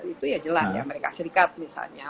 itu ya jelas ya amerika serikat misalnya